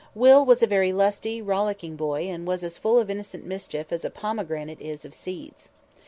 Will was a very lusty, rollicking boy and was as full of innocent mischief as a pomegranate is of seeds.